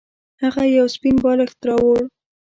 هغه یو سپین بالښت راوړ.